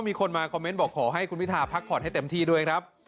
มีคนมาคอมเมนต์บอกขอให้คุณพิทาพักผ่อนให้เต็มที่ด้วยครับ